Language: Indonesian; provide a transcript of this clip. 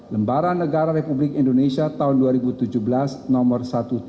lembaran negara republik indonesia tahun dua ribu tujuh belas nomor satu ratus tiga puluh